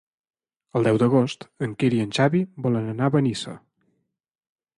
El deu d'agost en Quer i en Xavi volen anar a Benissa.